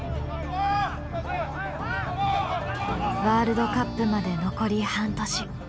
ワールドカップまで残り半年。